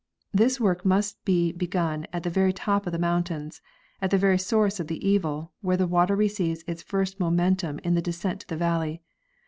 This work must be begun at the very top of the mountains, at the very source of the evil, where the water receives its first momentum in the descent to the valley.